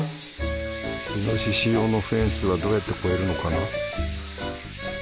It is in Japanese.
イノシシ用のフェンスはどうやって越えるのかな？